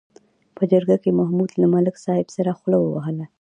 په جرګه کې محمود له ملک صاحب سره خوله ووهله.